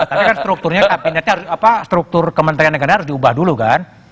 tapi kan strukturnya apa kementerian negara harus diubah dulu kan